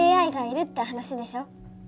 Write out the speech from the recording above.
ＡＩがいるって話でしょ。